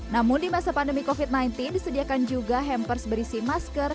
namun di masa pandemi covid sembilan belas disediakan juga hampers berisi masker